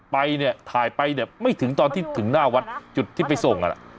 ไปเนี่ยถ่ายไปเนี่ยไม่ถึงตอนที่ถึงหน้าวัดจุดที่ไปส่งอ่ะ